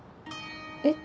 えっ？